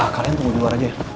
kalian tunggu di luar aja ya